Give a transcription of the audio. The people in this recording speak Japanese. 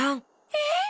えっ？